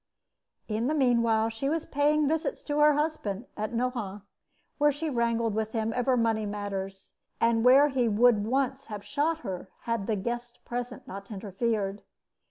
In the meanwhile, she was paying visits to her husband at Nohant, where she wrangled with him over money matters, and where he would once have shot her had the guests present not interfered.